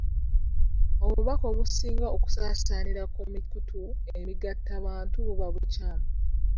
Obubaka obusinga okusaasaanira ku mikutu emigattabantu buba bukyamu.